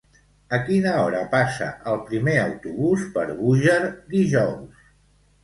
A quina hora passa el primer autobús per Búger dijous?